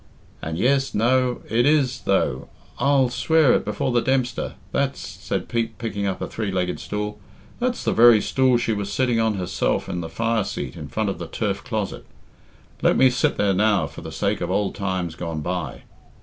"And yes no it is, though I'll swear it before the Dempster that's," said Pete, picking up a three legged stool, "that's the very stool she was sitting on herself in the fire seat in front of the turf closet. Let me sit there now for the sake of ould times gone by."